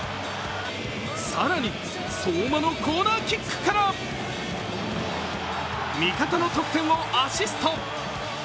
更に、相馬のコーナーキックから、味方の得点をアシスト。